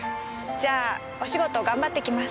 じゃあお仕事頑張ってきます。